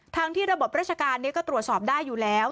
ทั้งที่ระบบราชการนี้ก็ตรวจสอบได้อยู่แล้ว